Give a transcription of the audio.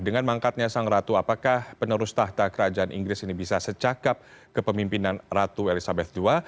dengan mangkatnya sang ratu apakah penerus tahta kerajaan inggris ini bisa secakap ke pemimpinan ratu elizabeth ii